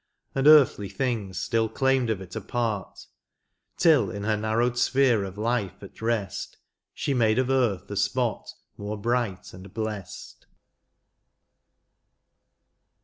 And earthly things still claimed of it a part ; Till in her narrowed sphere of life at rest. She made of earth a spot, more bright and blest.